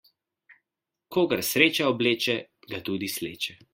Kogar sreča obleče, ga tudi sleče.